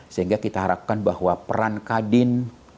sehingga kita harapkan bahwa peran kadin